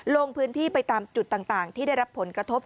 ลงพื้นที่ไปตามจุดต่างที่ได้รับผลกระทบ